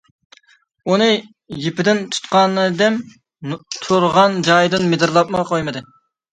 ئۇنى يىپىدىن تۇتقانىدىم، تۇرغان جايىدىن مىدىرلاپمۇ قويمىدى.